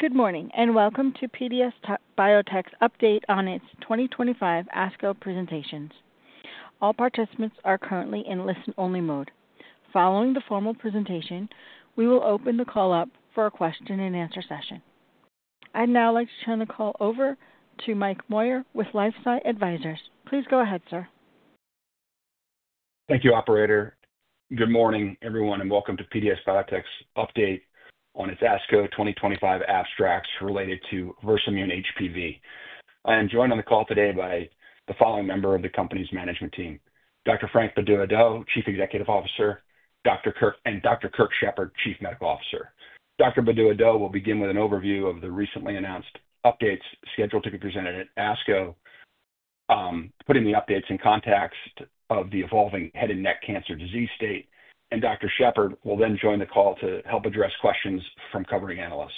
Good morning and welcome to PDS Biotech's update on its 2025 ASCO presentations. All participants are currently in listen-only mode. Following the formal presentation, we will open the call up for a question-and-answer session. I'd now like to turn the call over to Mike Moyer with LifeSci Advisors. Please go ahead, sir. Thank you, Operator. Good morning, everyone, and welcome to PDS Biotech's update on its ASCO 2025 abstracts related to Versamune HPV. I am joined on the call today by the following members of the company's management team: Dr. Frank Bedu-Addo, Chief Executive Officer, and Dr. Kirk Shepard, Chief Medical Officer. Dr. Bedu-Addo will begin with an overview of the recently announced updates scheduled to be presented at ASCO, putting the updates in context of the evolving head and neck cancer disease state, and Dr. Shepard will then join the call to help address questions from covering analysts.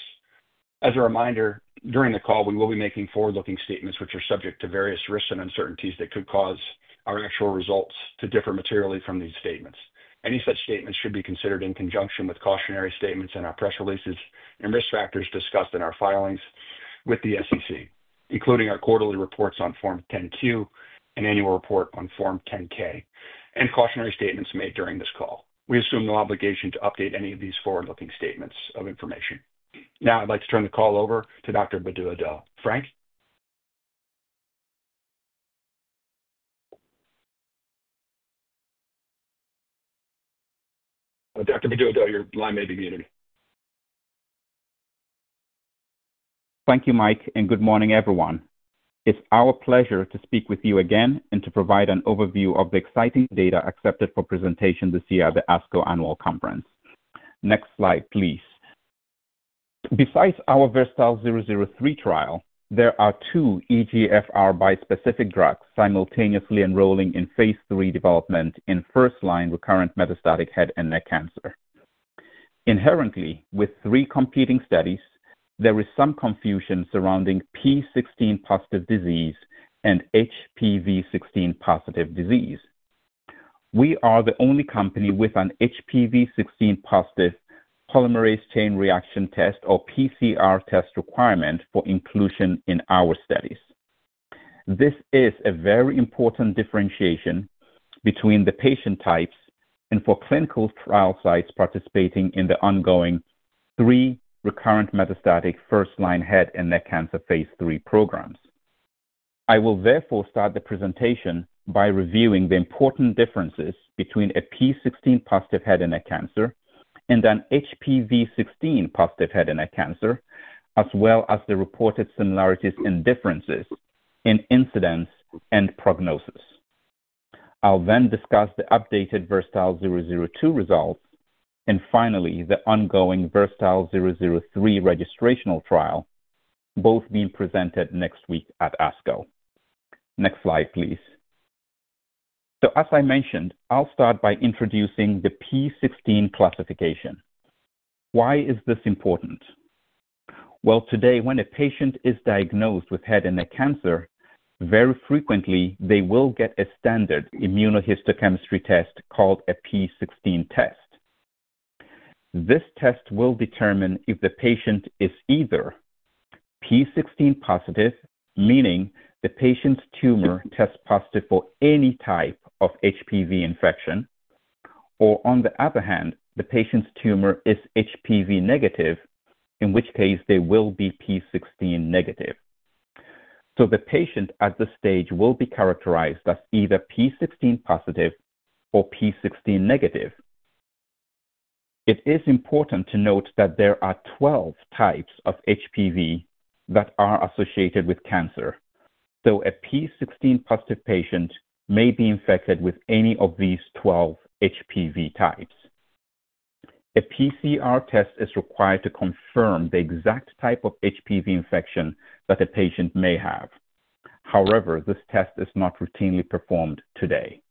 As a reminder, during the call, we will be making forward-looking statements which are subject to various risks and uncertainties that could cause our actual results to differ materially from these statements. Any such statements should be considered in conjunction with cautionary statements in our press releases and risk factors discussed in our filings with the SEC, including our quarterly reports on Form 10-Q and annual report on Form 10-K, and cautionary statements made during this call. We assume no obligation to update any of these forward-looking statements or information. Now, I'd like to turn the call over to Dr. Bedu-Addo. Frank? Dr. Bedu-Addo, your line may be muted. Thank you, Mike, and good morning, everyone. It's our pleasure to speak with you again and to provide an overview of the exciting data accepted for presentation this year at the ASCO Annual Conference. Next slide, please. Besides our VERSATILE-003 trial, there are two EGFR-by-specific drugs simultaneously enrolling in phase three development in first-line recurrent metastatic head and neck cancer. Inherently, with three competing studies, there is some confusion surrounding P16 positive disease and HPV16 positive disease. We are the only company with an HPV16 positive polymerase chain reaction test, or PCR test, requirement for inclusion in our studies. This is a very important differentiation between the patient types and for clinical trial sites participating in the ongoing three recurrent metastatic first-line head and neck cancer phase three programs. I will therefore start the presentation by reviewing the important differences between a P16 positive head and neck cancer and an HPV16 positive head and neck cancer, as well as the reported similarities and differences in incidence and prognosis. I'll then discuss the updated VERSATILE-002 results and finally the ongoing VERSATILE-003 registrational trial, both being presented next week at ASCO. Next slide, please. As I mentioned, I'll start by introducing the P16 classification. Why is this important? Today, when a patient is diagnosed with head and neck cancer, very frequently, they will get a standard immunohistochemistry test called a P16 test. This test will determine if the patient is either P16 positive, meaning the patient's tumor tests positive for any type of HPV infection, or on the other hand, the patient's tumor is HPV negative, in which case they will be P16 negative. The patient at this stage will be characterized as either P16 positive or P16 negative. It is important to note that there are 12 types of HPV that are associated with cancer, so a P16 positive patient may be infected with any of these 12 HPV types. A PCR test is required to confirm the exact type of HPV infection that the patient may have. However, this test is not routinely performed today.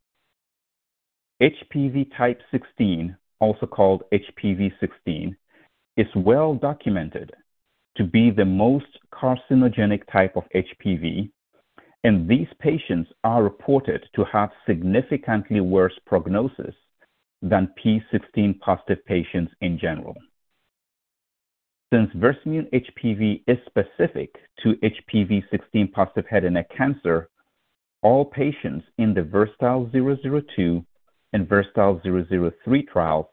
HPV type 16, also called HPV16, is well documented to be the most carcinogenic type of HPV, and these patients are reported to have significantly worse prognosis than P16 positive patients in general. Since Versamune HPV is specific to HPV16 positive head and neck cancer, all patients in the VERSATILE-002 and VERSATILE-003 trials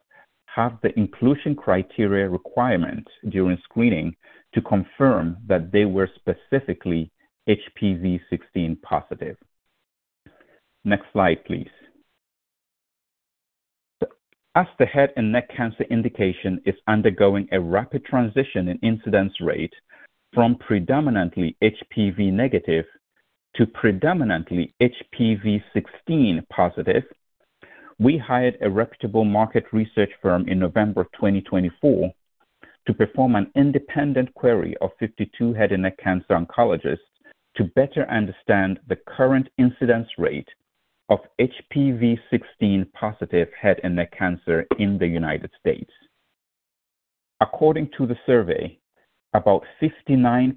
have the inclusion criteria requirement during screening to confirm that they were specifically HPV16 positive. Next slide, please. As the head and neck cancer indication is undergoing a rapid transition in incidence rate from predominantly HPV negative to predominantly HPV16 positive, we hired a reputable market research firm in November 2024 to perform an independent query of 52 head and neck cancer oncologists to better understand the current incidence rate of HPV16 positive head and neck cancer in the United States. According to the survey, about 59%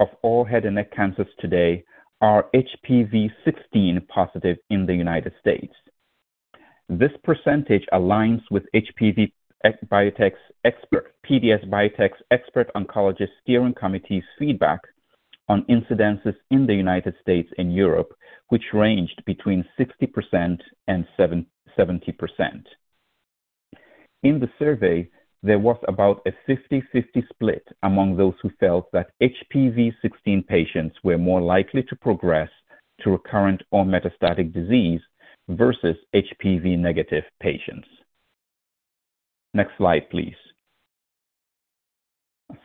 of all head and neck cancers today are HPV16 positive in the United States. This percentage aligns with PDS Biotech's expert oncologist steering committee's feedback on incidences in the United States and Europe, which ranged between 60%-70%. In the survey, there was about a 50/50 split among those who felt that HPV16 patients were more likely to progress to recurrent or metastatic disease versus HPV negative patients. Next slide, please.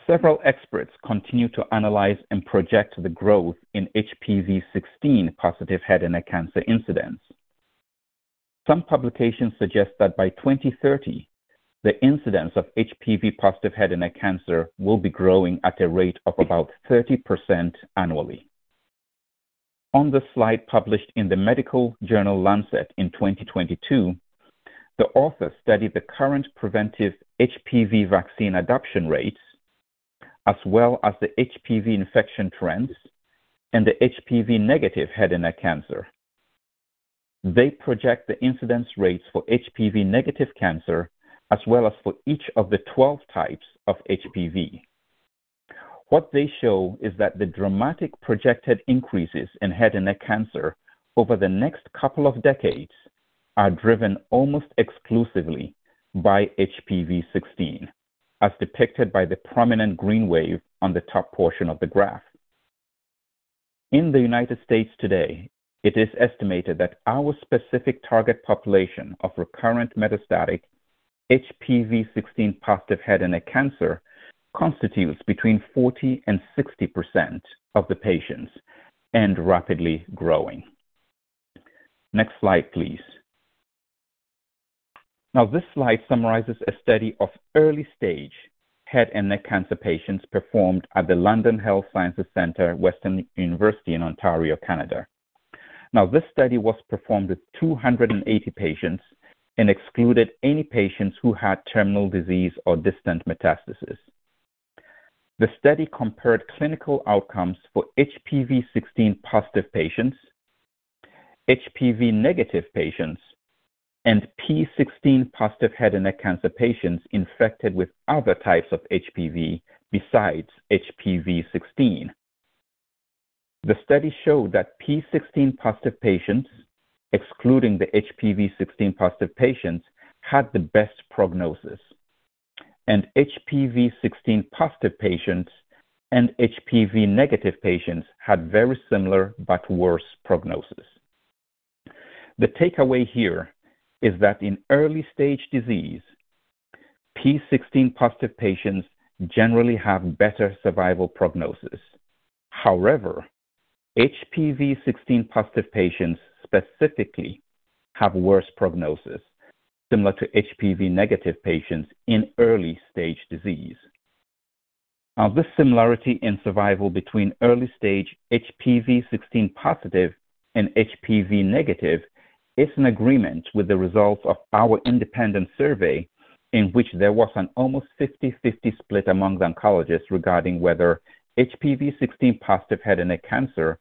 Several experts continue to analyze and project the growth in HPV16 positive head and neck cancer incidence. Some publications suggest that by 2030, the incidence of HPV positive head and neck cancer will be growing at a rate of about 30% annually. On the slide published in the medical journal Lancet in 2022, the authors study the current preventive HPV vaccine adoption rates, as well as the HPV infection trends and the HPV negative head and neck cancer. They project the incidence rates for HPV negative cancer as well as for each of the 12 types of HPV. What they show is that the dramatic projected increases in head and neck cancer over the next couple of decades are driven almost exclusively by HPV16, as depicted by the prominent green wave on the top portion of the graph. In the United States today, it is estimated that our specific target population of recurrent metastatic HPV16 positive head and neck cancer constitutes between 40-60% of the patients and is rapidly growing. Next slide, please. Now, this slide summarizes a study of early-stage head and neck cancer patients performed at the London Health Sciences Center, Western University in Ontario, Canada. Now, this study was performed with 280 patients and excluded any patients who had terminal disease or distant metastasis. The study compared clinical outcomes for HPV16 positive patients, HPV negative patients, and P16 positive head and neck cancer patients infected with other types of HPV besides HPV16. The study showed that P16 positive patients, excluding the HPV16 positive patients, had the best prognosis, and HPV16 positive patients and HPV negative patients had very similar but worse prognosis. The takeaway here is that in early-stage disease, P16 positive patients generally have better survival prognosis. However, HPV16 positive patients specifically have worse prognosis, similar to HPV negative patients in early-stage disease. Now, this similarity in survival between early-stage HPV16 positive and HPV negative is in agreement with the results of our independent survey in which there was an almost 50/50 split among the oncologists regarding whether HPV16 positive head and neck cancer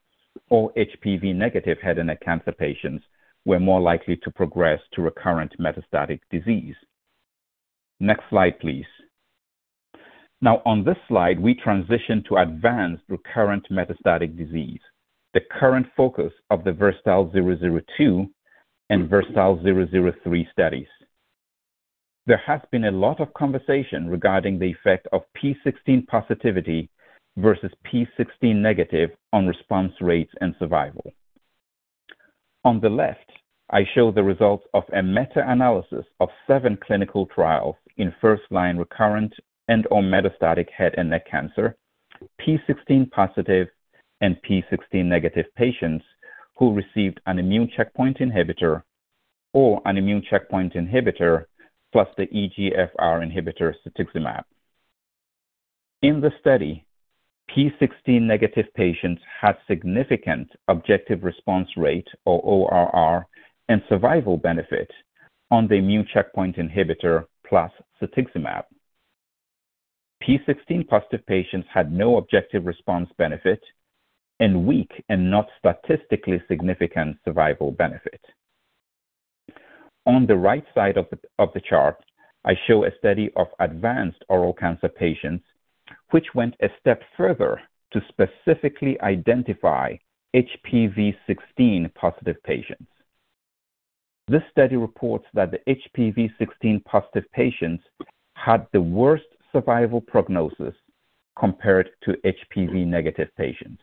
or HPV negative head and neck cancer patients were more likely to progress to recurrent metastatic disease. Next slide, please. Now, on this slide, we transition to advanced recurrent metastatic disease, the current focus of the VERSATILE-002 and VERSATILE-003 studies. There has been a lot of conversation regarding the effect of P16 positivity versus P16 negative on response rates and survival. On the left, I show the results of a meta-analysis of seven clinical trials in first-line recurrent and/or metastatic head and neck cancer, P16 positive and P16 negative patients who received an immune checkpoint inhibitor or an immune checkpoint inhibitor plus the EGFR inhibitor, cetuximab. In the study, P16 negative patients had significant objective response rate or ORR and survival benefit on the immune checkpoint inhibitor plus cetuximab. P16 positive patients had no objective response benefit and weak and not statistically significant survival benefit. On the right side of the chart, I show a study of advanced oral cancer patients which went a step further to specifically identify HPV16 positive patients. This study reports that the HPV16 positive patients had the worst survival prognosis compared to HPV negative patients.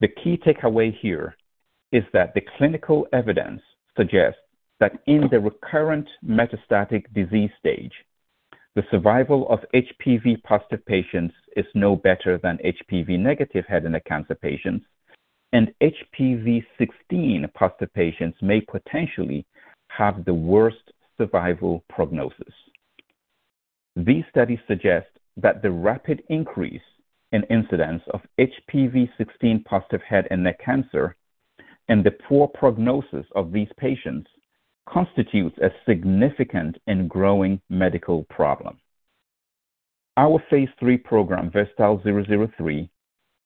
The key takeaway here is that the clinical evidence suggests that in the recurrent metastatic disease stage, the survival of HPV positive patients is no better than HPV negative head and neck cancer patients, and HPV16 positive patients may potentially have the worst survival prognosis. These studies suggest that the rapid increase in incidence of HPV16 positive head and neck cancer and the poor prognosis of these patients constitutes a significant and growing medical problem. Our phase three program, VERSATILE-003,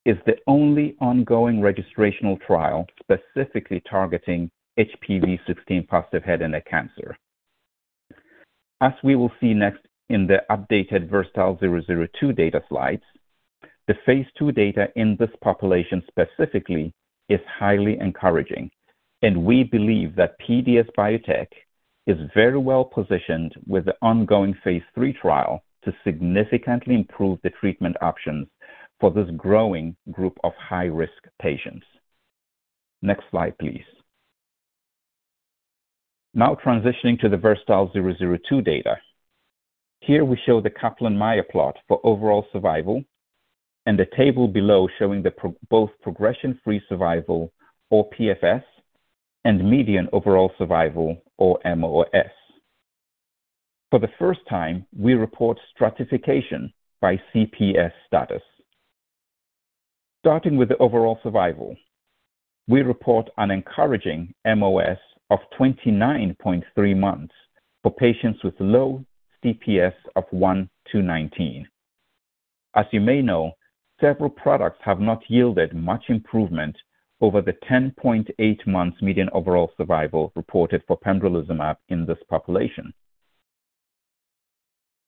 is the only ongoing registrational trial specifically targeting HPV16 positive head and neck cancer. As we will see next in the updated VERSATILE-002 data slides, the phase two data in this population specifically is highly encouraging, and we believe that PDS Biotech is very well positioned with the ongoing phase three trial to significantly improve the treatment options for this growing group of high-risk patients. Next slide, please. Now, transitioning to the VERSATILE-002 data. Here, we show the Kaplan-Meier plot for overall survival and the table below showing both progression-free survival, or PFS, and median overall survival, or MOS. For the first time, we report stratification by CPS status. Starting with the overall survival, we report an encouraging MOS of 29.3 months for patients with low CPS of 1-19. As you may know, several products have not yielded much improvement over the 10.8 months median overall survival reported for pembrolizumab in this population.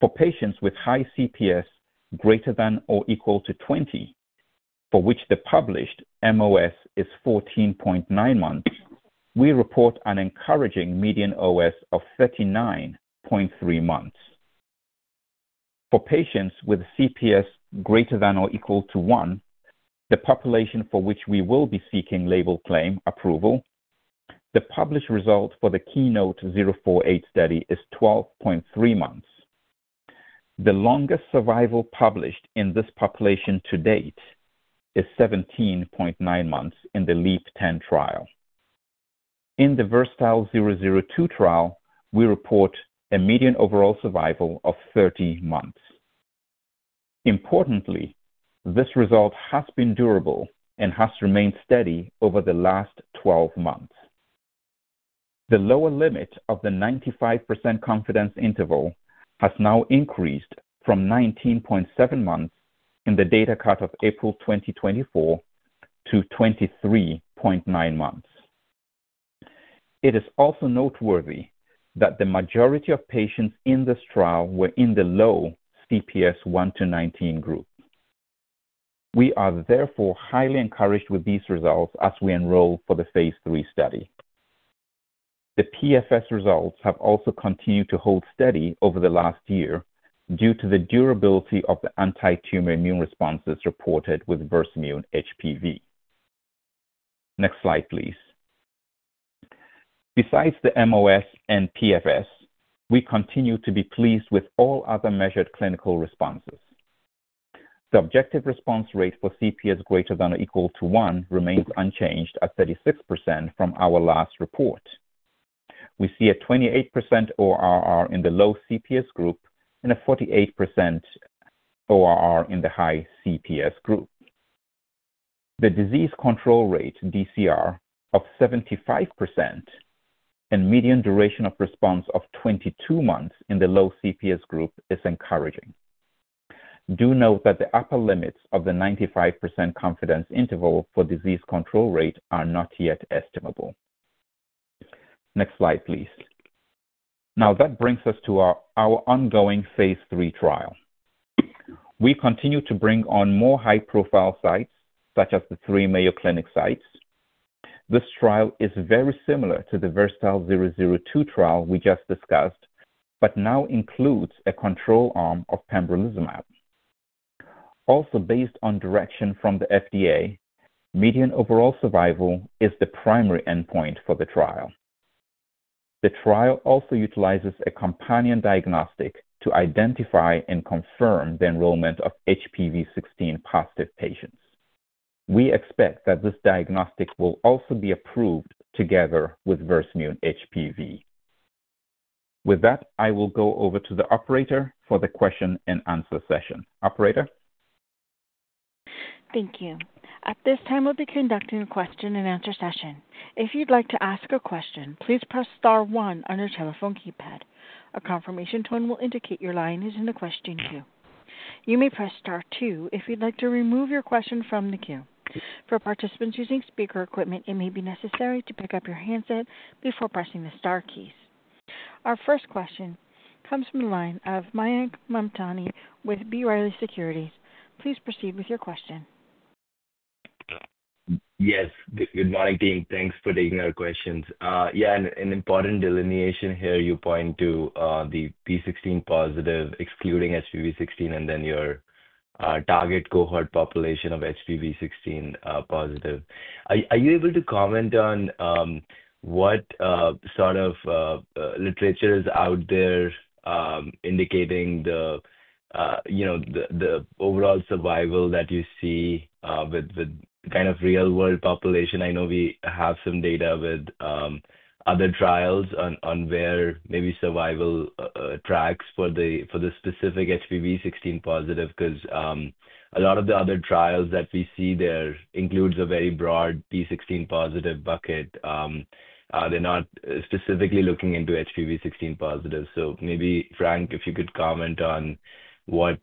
For patients with high CPS greater than or equal to 20, for which the published MOS is 14.9 months, we report an encouraging median OS of 39.3 months. For patients with CPS greater than or equal to 1, the population for which we will be seeking label claim approval, the published result for the KEYNOTE-048 study is 12.3 months. The longest survival published in this population to date is 17.9 months in the LEEP-10 trial. In the VERSATILE-002 trial, we report a median overall survival of 30 months. Importantly, this result has been durable and has remained steady over the last 12 months. The lower limit of the 95% confidence interval has now increased from 19.7 months in the data cut of April 2024 to 23.9 months. It is also noteworthy that the majority of patients in this trial were in the low CPS 1-19 group. We are therefore highly encouraged with these results as we enroll for the phase three study. The PFS results have also continued to hold steady over the last year due to the durability of the anti-tumor immune responses reported with Versamune HPV. Next slide, please. Besides the MOS and PFS, we continue to be pleased with all other measured clinical responses. The objective response rate for CPS greater than or equal to 1 remains unchanged at 36% from our last report. We see a 28% ORR in the low CPS group and a 48% ORR in the high CPS group. The disease control rate, DCR, of 75% and median duration of response of 22 months in the low CPS group is encouraging. Do note that the upper limits of the 95% confidence interval for disease control rate are not yet estimable. Next slide, please. Now, that brings us to our ongoing phase three trial. We continue to bring on more high-profile sites, such as the three Mayo Clinic sites. This trial is very similar to the VERSATILE-002 trial we just discussed, but now includes a control arm of pembrolizumab. Also, based on direction from the FDA, median overall survival is the primary endpoint for the trial. The trial also utilizes a companion diagnostic to identify and confirm the enrollment of HPV16 positive patients. We expect that this diagnostic will also be approved together with Versamune HPV. With that, I will go over to the operator for the question and answer session. Operator. Thank you. At this time, we'll be conducting a question and answer session. If you'd like to ask a question, please press star one on your telephone keypad. A confirmation tone will indicate your line is in the question queue. You may press star two if you'd like to remove your question from the queue. For participants using speaker equipment, it may be necessary to pick up your handset before pressing the star keys. Our first question comes from the line of Mayank Mamtani with B. Riley Securities. Please proceed with your question. Yes. Good morning, team. Thanks for taking our questions. Yeah, an important delineation here. You point to the P16 positive, excluding HPV16, and then your target cohort population of HPV16 positive. Are you able to comment on what sort of literature is out there indicating the overall survival that you see with kind of real-world population? I know we have some data with other trials on where maybe survival tracks for the specific HPV16 positive because a lot of the other trials that we see there include a very broad P16 positive bucket. They're not specifically looking into HPV16 positive. Maybe, Frank, if you could comment on what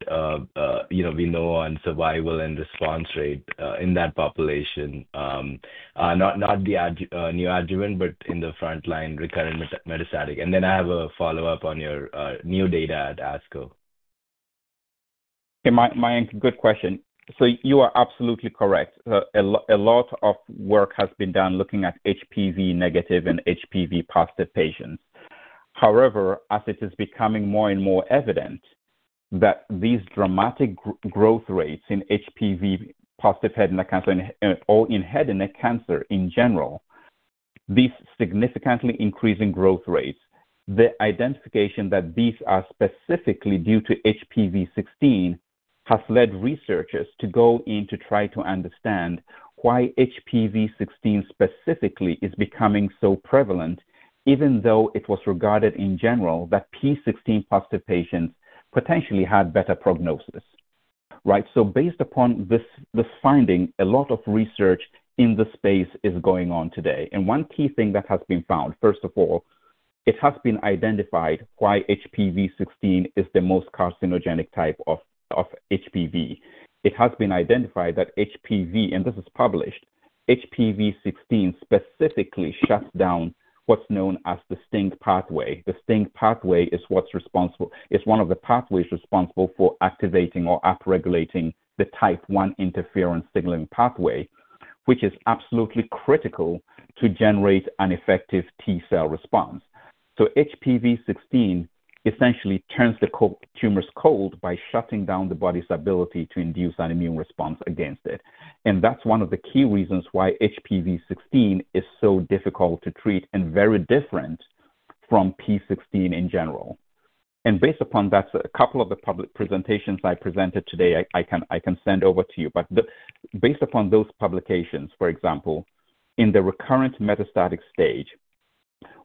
we know on survival and response rate in that population, not the new adjuvant, but in the front-line recurrent metastatic. I have a follow-up on your new data at ASCO. Hey, Mayank, good question. You are absolutely correct. A lot of work has been done looking at HPV negative and HPV positive patients. However, as it is becoming more and more evident that these dramatic growth rates in HPV positive head and neck cancer or in head and neck cancer in general, these significantly increasing growth rates, the identification that these are specifically due to HPV16 has led researchers to go in to try to understand why HPV16 specifically is becoming so prevalent, even though it was regarded in general that P16 positive patients potentially had better prognosis. Right? Based upon this finding, a lot of research in the space is going on today. One key thing that has been found, first of all, it has been identified why HPV16 is the most carcinogenic type of HPV. It has been identified that HPV, and this is published, HPV16 specifically shuts down what's known as the STING pathway. The STING pathway is what's responsible, it's one of the pathways responsible for activating or upregulating the type I interferon signaling pathway, which is absolutely critical to generate an effective T-cell response. HPV16 essentially turns the tumors cold by shutting down the body's ability to induce an immune response against it. That is one of the key reasons why HPV16 is so difficult to treat and very different from P16 in general. Based upon that, a couple of the presentations I presented today, I can send over to you. Based upon those publications, for example, in the recurrent metastatic stage,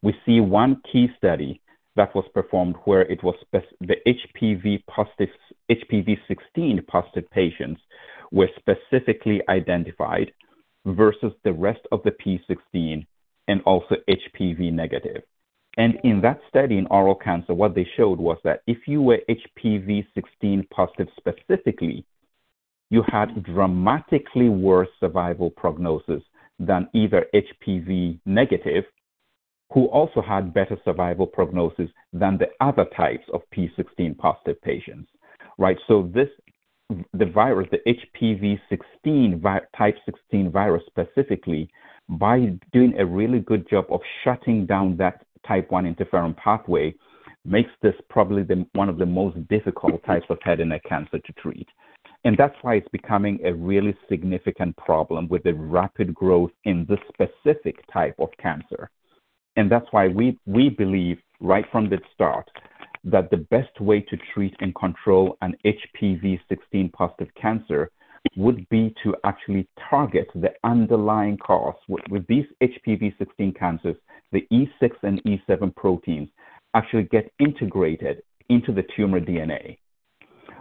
we see one key study that was performed where it was the HPV16 positive patients were specifically identified versus the rest of the P16 and also HPV negative. In that study in oral cancer, what they showed was that if you were HPV16 positive specifically, you had dramatically worse survival prognosis than either HPV negative, who also had better survival prognosis than the other types of P16 positive patients. The virus, the HPV16 type 16 virus specifically, by doing a really good job of shutting down that type I interferon pathway, makes this probably one of the most difficult types of head and neck cancer to treat. That is why it is becoming a really significant problem with the rapid growth in this specific type of cancer. That is why we believe right from the start that the best way to treat and control an HPV16 positive cancer would be to actually target the underlying cause. With these HPV16 cancers, the E6 and E7 proteins actually get integrated into the tumor DNA.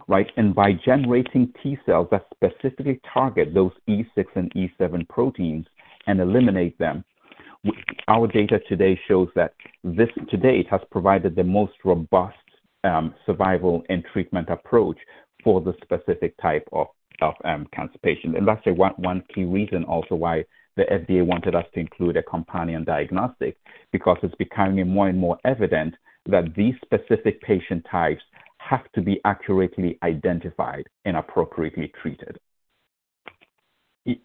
Right? By generating T-cells that specifically target those E6 and E7 proteins and eliminate them, our data today shows that this to date has provided the most robust survival and treatment approach for the specific type of cancer patient. That is one key reason also why the FDA wanted us to include a companion diagnostic, because it is becoming more and more evident that these specific patient types have to be accurately identified and appropriately treated.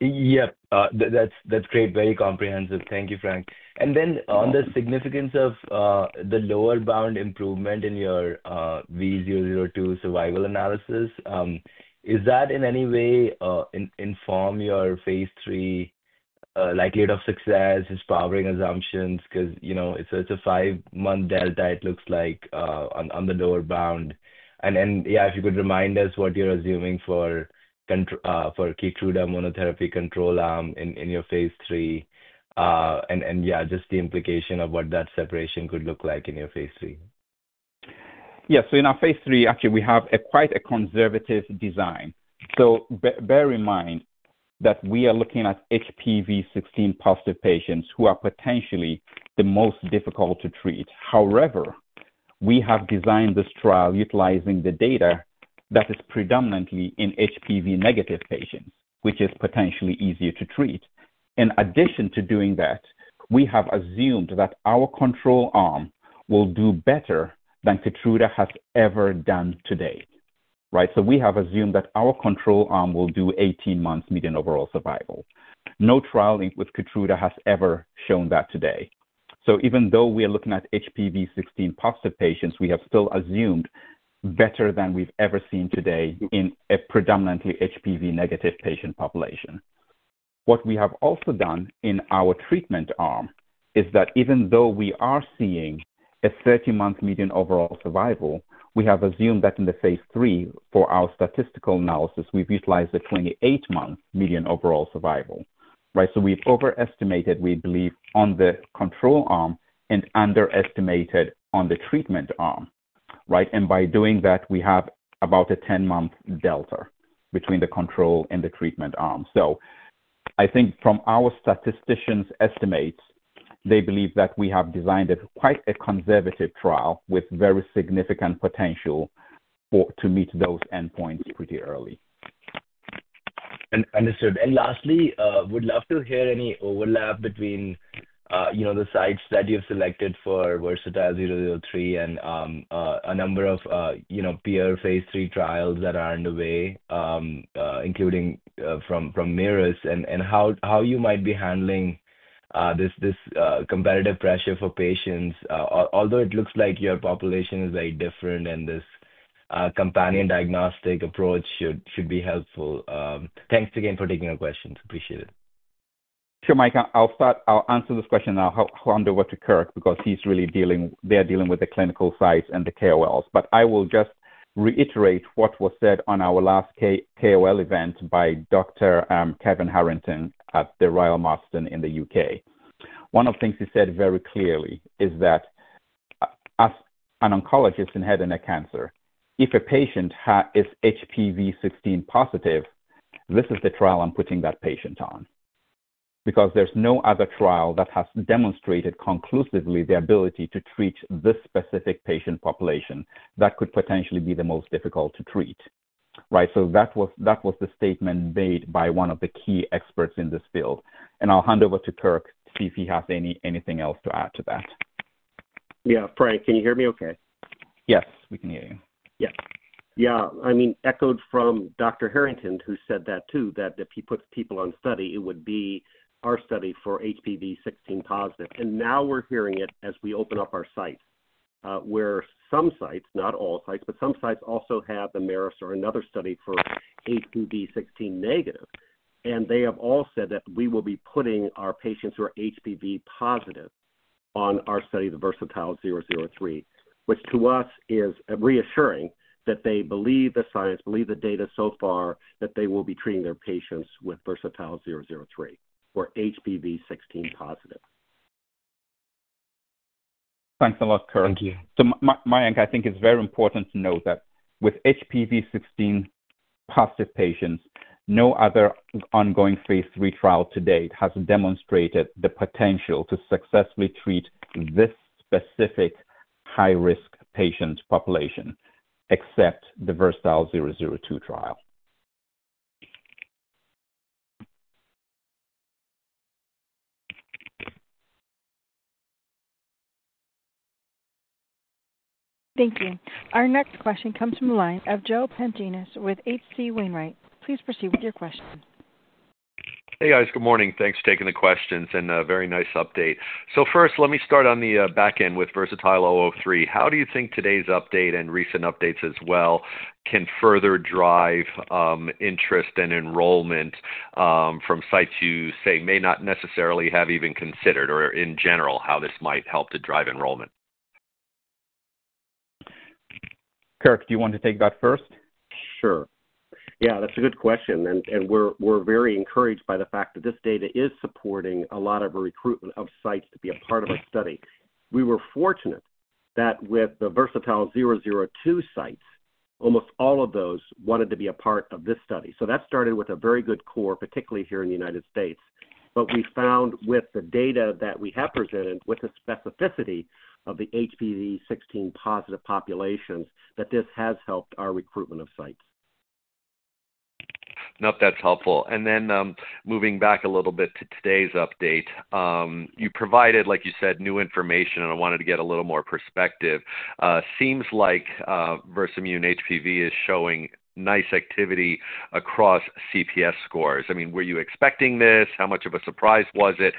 Yep. That is great. Very comprehensive. Thank you, Frank. On the significance of the lower bound improvement in your V002 survival analysis, does that in any way inform your phase three likelihood of success, its powering assumptions? Because it is a five-month delta, it looks like, on the lower bound. If you could remind us what you are assuming for Keytruda monotherapy control arm in your phase three, and just the implication of what that separation could look like in your phase three. Yes. In our phase three, actually, we have quite a conservative design. Bear in mind that we are looking at HPV16 positive patients who are potentially the most difficult to treat. However, we have designed this trial utilizing the data that is predominantly in HPV negative patients, which is potentially easier to treat. In addition to doing that, we have assumed that our control arm will do better than Keytruda has ever done to date. Right? We have assumed that our control arm will do 18 months median overall survival. No trial with Keytruda has ever shown that to date. Even though we are looking at HPV16 positive patients, we have still assumed better than we've ever seen to date in a predominantly HPV negative patient population. What we have also done in our treatment arm is that even though we are seeing a 30-month median overall survival, we have assumed that in the phase three for our statistical analysis, we've utilized a 28-month median overall survival. Right? We have overestimated, we believe, on the control arm and underestimated on the treatment arm. Right? By doing that, we have about a 10-month delta between the control and the treatment arm. I think from our statisticians' estimates, they believe that we have designed quite a conservative trial with very significant potential to meet those endpoints pretty early. Understood. Lastly, would love to hear any overlap between the sites that you've selected for VERSATILE-003 and a number of peer phase three trials that are underway, including from Merus, and how you might be handling this competitive pressure for patients, although it looks like your population is very different and this companion diagnostic approach should be helpful. Thanks again for taking our questions. Appreciate it. Sure, Mike. I'll answer this question, and I'll hand over to Kirk because he's really dealing—they're dealing with the clinical sites and the KOLs. I will just reiterate what was said on our last KOL event by Dr. Kevin Harrington at the Royal Marsden in the U.K. One of the things he said very clearly is that as an oncologist in head and neck cancer, if a patient is HPV16 positive, this is the trial I'm putting that patient on because there's no other trial that has demonstrated conclusively the ability to treat this specific patient population that could potentially be the most difficult to treat. Right? That was the statement made by one of the key experts in this field. I'll hand over to Kirk to see if he has anything else to add to that. Yeah. Frank, can you hear me okay? Yes. We can hear you. Yes. Yeah. I mean, echoed from Dr. Harrington who said that too, that if he puts people on study, it would be our study for HPV16 positive. We're hearing it as we open up our sites, where some sites—not all sites, but some sites—also have the Merus or another study for HPV16 negative. They have all said that we will be putting our patients who are HPV positive on our study, the VERSATILE-003, which to us is reassuring that they believe the science, believe the data so far that they will be treating their patients with VERSATILE-003 for HPV16 positive. Thanks a lot, Kirk. Thank you. Mayank, I think it's very important to note that with HPV16 positive patients, no other ongoing phase three trial to date has demonstrated the potential to successfully treat this specific high-risk patient population, except the VERSATILE-002 trial. Thank you. Our next question comes from the line of Joe Pantginis with H.C. Wainwright. Please proceed with your question. Hey, guys. Good morning. Thanks for taking the questions and a very nice update. First, let me start on the back end with VERSATILE-003. How do you think today's update and recent updates as well can further drive interest and enrollment from sites you say may not necessarily have even considered, or in general, how this might help to drive enrollment? Kirk, do you want to take that first? Sure. Yeah. That's a good question. We are very encouraged by the fact that this data is supporting a lot of recruitment of sites to be a part of our study. We were fortunate that with the VERSATILE-002 sites, almost all of those wanted to be a part of this study. That started with a very good core, particularly here in the United States. We found with the data that we have presented with the specificity of the HPV16 positive populations that this has helped our recruitment of sites. Not that's helpful. Moving back a little bit to today's update, you provided, like you said, new information, and I wanted to get a little more perspective. Seems like Versamune HPV is showing nice activity across CPS scores. I mean, were you expecting this? How much of a surprise was it?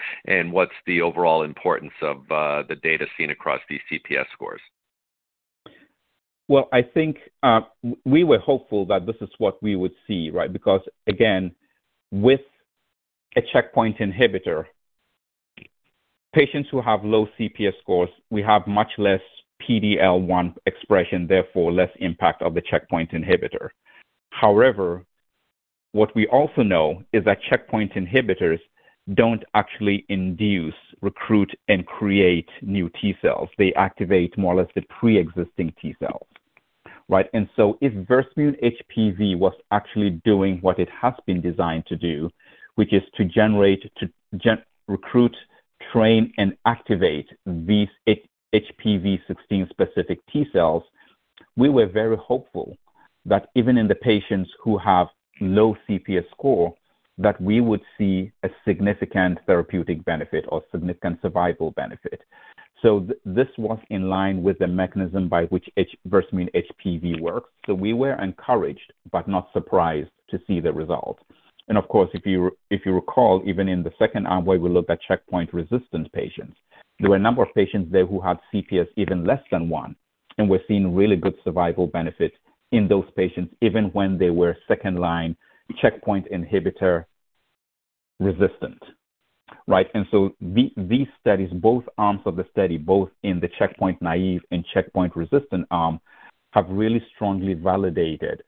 What's the overall importance of the data seen across these CPS scores? I think we were hopeful that this is what we would see, right? Because again, with a checkpoint inhibitor, patients who have low CPS scores, we have much less PD-L1 expression, therefore less impact of the checkpoint inhibitor. However, what we also know is that checkpoint inhibitors do not actually induce, recruit, and create new T-cells. They activate more or less the pre-existing T-cells. Right? And if Versamune HPV was actually doing what it has been designed to do, which is to generate, recruit, train, and activate these HPV16 specific T-cells, we were very hopeful that even in the patients who have low CPS score, that we would see a significant therapeutic benefit or significant survival benefit. This was in line with the mechanism by which Versamune HPV works. We were encouraged but not surprised to see the result. If you recall, even in the second arm where we looked at checkpoint-resistant patients, there were a number of patients there who had CPS even less than one and were seeing really good survival benefit in those patients even when they were second-line checkpoint inhibitor resistant. Right? These studies, both arms of the study, both in the checkpoint naive and checkpoint-resistant arm, have really strongly validated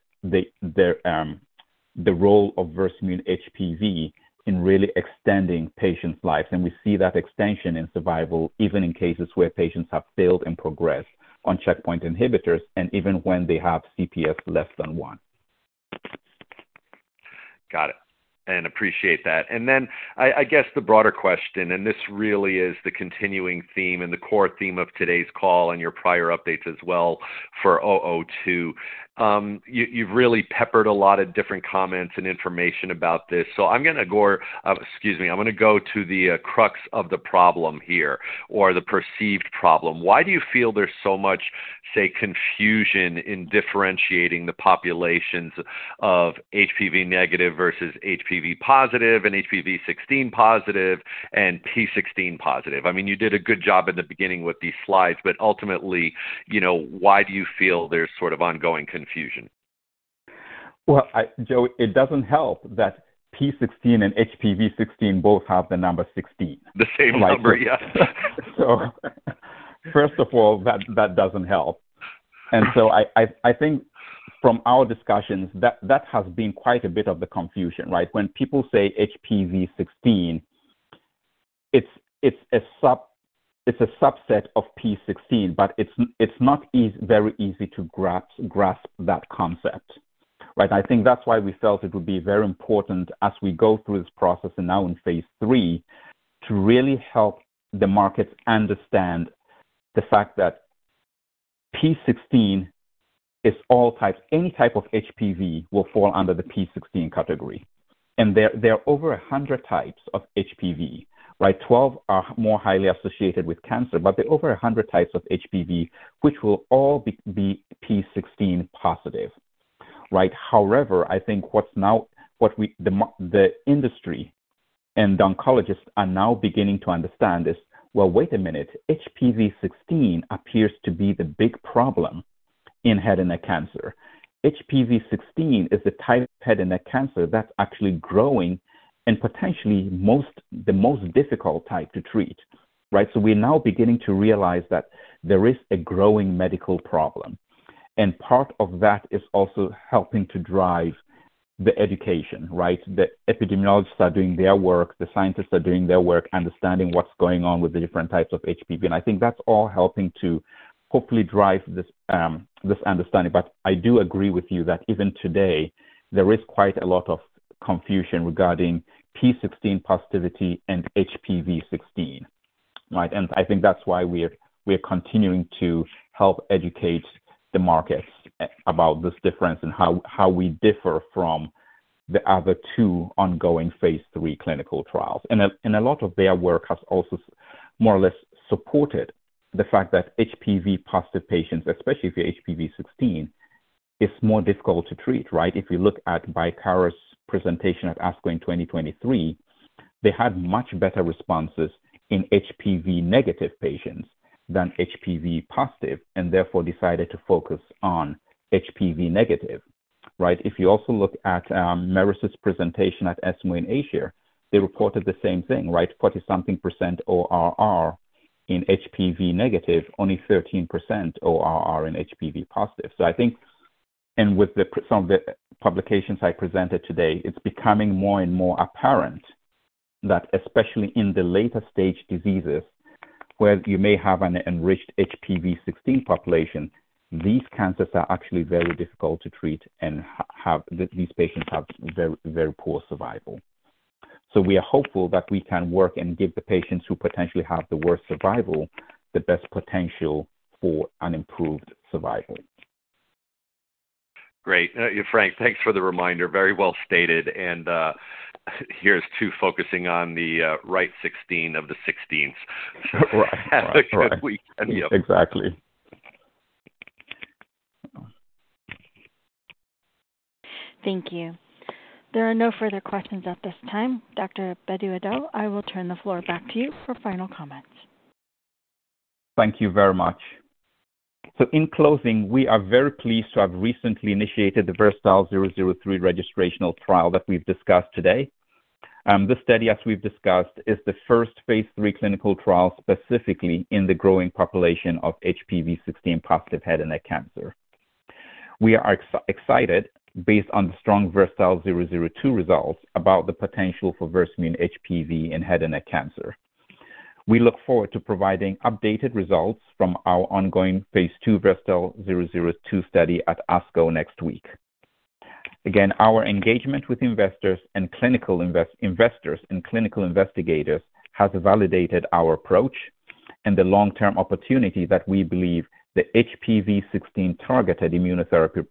the role of Versamune HPV in really extending patients' lives. We see that extension in survival even in cases where patients have failed and progressed on checkpoint inhibitors and even when they have CPS less than one. Got it. I appreciate that. I guess the broader question, and this really is the continuing theme and the core theme of today's call and your prior updates as well for 002, you've really peppered a lot of different comments and information about this. I'm going to go—excuse me—I'm going to go to the crux of the problem here or the perceived problem. Why do you feel there's so much, say, confusion in differentiating the populations of HPV negative versus HPV positive and HPV16 positive and P16 positive? I mean, you did a good job at the beginning with these slides, but ultimately, why do you feel there's sort of ongoing confusion? Joe, it does not help that P16 and HPV16 both have the number 16. The same number, yes. First of all, that does not help. I think from our discussions, that has been quite a bit of the confusion, right? When people say HPV16, it is a subset of P16, but it is not very easy to grasp that concept, right? I think that is why we felt it would be very important as we go through this process and now in phase three to really help the markets understand the fact that P16 is all types; any type of HPV will fall under the P16 category. There are over 100 types of HPV, right? Twelve are more highly associated with cancer, but there are over 100 types of HPV which will all be P16 positive. Right? However, I think what the industry and the oncologists are now beginning to understand is, wait a minute, HPV16 appears to be the big problem in head and neck cancer. HPV16 is the type of head and neck cancer that's actually growing and potentially the most difficult type to treat. Right? We are now beginning to realize that there is a growing medical problem. Part of that is also helping to drive the education, right? The epidemiologists are doing their work. The scientists are doing their work understanding what's going on with the different types of HPV. I think that's all helping to hopefully drive this understanding. I do agree with you that even today, there is quite a lot of confusion regarding P16 positivity and HPV16. Right? I think that's why we're continuing to help educate the markets about this difference and how we differ from the other two ongoing phase three clinical trials. A lot of their work has also more or less supported the fact that HPV-positive patients, especially if you're HPV16, is more difficult to treat, right? If you look at Bicara's presentation at ASCO in 2023, they had much better responses in HPV-negative patients than HPV-positive and therefore decided to focus on HPV-negative. Right? If you also look at Merus' presentation at ASCO in Asia, they reported the same thing, right? 40-something % ORR in HPV-negative, only 13% ORR in HPV-positive. I think, and with some of the publications I presented today, it's becoming more and more apparent that especially in the later-stage diseases where you may have an enriched HPV16 population, these cancers are actually very difficult to treat and these patients have very poor survival. We are hopeful that we can work and give the patients who potentially have the worst survival the best potential for an improved survival. Great. Frank, thanks for the reminder. Very well stated. Here's to focusing on the right 16 of the 16s. Right. Sure. Exactly. Thank you. There are no further questions at this time. Dr. Bedu-Addo, I will turn the floor back to you for final comments. Thank you very much. In closing, we are very pleased to have recently initiated the VERSATILE-003 registrational trial that we've discussed today. This study, as we've discussed, is the first phase three clinical trial specifically in the growing population of HPV16 positive head and neck cancer. We are excited based on the strong VERSATILE-002 results about the potential for Versamune HPV in head and neck cancer. We look forward to providing updated results from our ongoing phase two VERSATILE-002 study at ASCO next week. Again, our engagement with investors and clinical investigators has validated our approach and the long-term opportunity that we believe the HPV16 targeted immunotherapy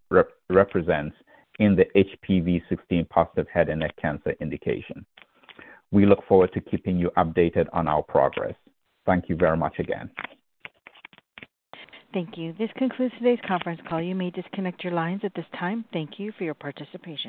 represents in the HPV16 positive head and neck cancer indication. We look forward to keeping you updated on our progress. Thank you very much again. Thank you. This concludes today's conference call. You may disconnect your lines at this time. Thank you for your participation.